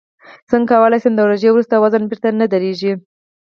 څنګه کولی شم د روژې وروسته وزن بېرته نه ډېرېږي